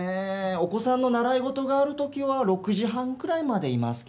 お子さんの習い事がある時は６時半くらいまでいますけど。